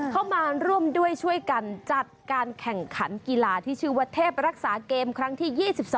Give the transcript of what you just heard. เข้ามาร่วมด้วยช่วยกันจัดการแข่งขันกีฬาที่ชื่อว่าเทพรักษาเกมครั้งที่๒๒